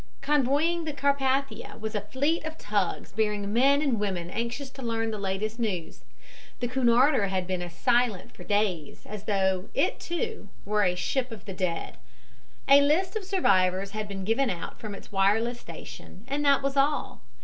Convoying the Carpathia was a fleet of tugs bearing men and women anxious to learn the latest news. The Cunarder had been as silent for days as though it, too, were a ship of the dead. A list of survivors had been given out from its wireless station and that was all.